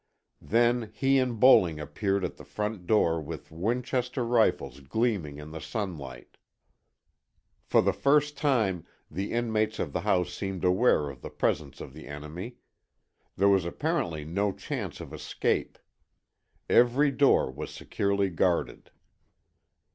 Then he and Bowling appeared at the front door with Winchester rifles gleaming in the sunlight. For the first time the inmates of the house seemed aware of the presence of the enemy. There was apparently no chance of escape. Every door was securely guarded.